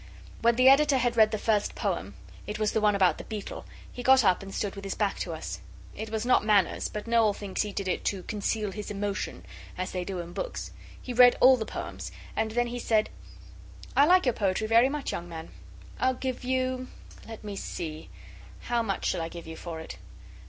When the Editor had read the first poem it was the one about the beetle he got up and stood with his back to us. It was not manners; but Noel thinks he did it 'to conceal his emotion,' as they do in books. He read all the poems, and then he said 'I like your poetry very much, young man. I'll give you let me see; how much shall I give you for it?